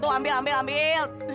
ya tuh tuh ambil ambil ambil ambil